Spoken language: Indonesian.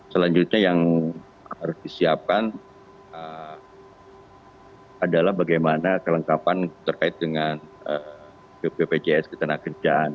selanjutnya yang harus disiapkan adalah bagaimana kelengkapan terkait dengan bpjs ketenagakerjaan